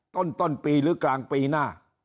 ต้นปีหรือกลางปีหน้า